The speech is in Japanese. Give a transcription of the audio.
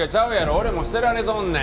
俺も捨てられとんねん。